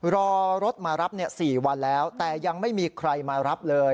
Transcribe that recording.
รอรถมารับ๔วันแล้วแต่ยังไม่มีใครมารับเลย